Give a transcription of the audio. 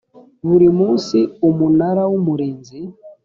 buri munsi umunara w umurinzi